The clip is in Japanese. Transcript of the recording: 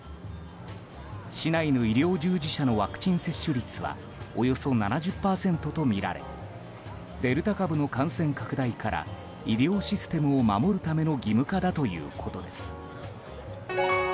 市内の医療従事者のワクチン接種率はおよそ７０％とみられデルタ株の感染拡大から医療システムを守るための義務化だということです。